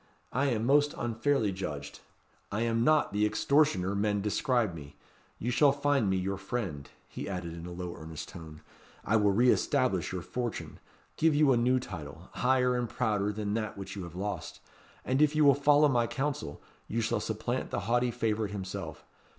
I am most unfairly judged. I am not the extortioner men describe me. You shall find me your friend," he added in a low earnest tone. "I will re establish your fortune; give you a new title, higher and prouder than that which you have lost; and, if you will follow my counsel, you shall supplant the haughty favourite himself.